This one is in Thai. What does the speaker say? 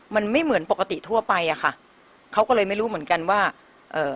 มันไม่เหมือนปกติทั่วไปอ่ะค่ะเขาก็เลยไม่รู้เหมือนกันว่าเอ่อ